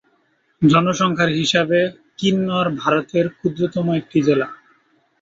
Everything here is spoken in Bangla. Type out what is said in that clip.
জনসংখ্যার হিসাবে, কিন্নর ভারতের ক্ষুদ্রতম জেলার একটি।